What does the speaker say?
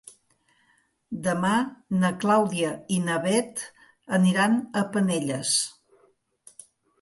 Demà na Clàudia i na Bet aniran a Penelles.